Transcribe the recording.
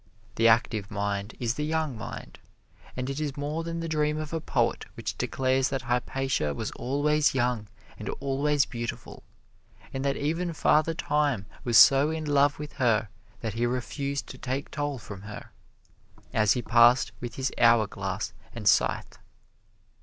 The active mind is the young mind, and it is more than the dream of a poet which declares that Hypatia was always young and always beautiful, and that even Father Time was so in love with her that he refused to take toll from her, as he passed with his hourglass and scythe.